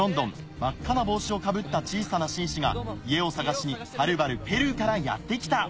真っ赤な帽子をかぶった小さな紳士が家を探しにはるばるペルーからやってきた。